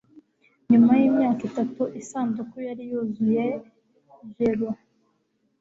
Nyuma yimyaka itatu, isanduku yari yuzuye Jello.